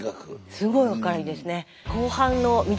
すごい明るいですね。